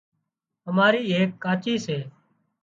اماري ايڪ ڪاچي سي